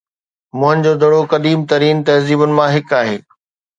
موئن جو دڙو قديم ترين تهذيبن مان هڪ آهي